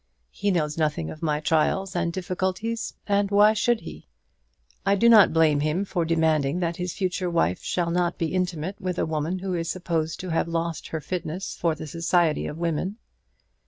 He knows nothing of my trials and difficulties, and why should he? I do not blame him for demanding that his future wife shall not be intimate with a woman who is supposed to have lost her fitness for the society of women.